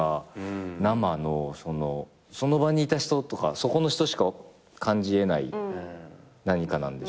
生のその場にいた人とかそこの人しか感じ得ない何かなんでしょうけど。